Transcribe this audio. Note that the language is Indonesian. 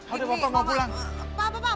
udah papa mau pulang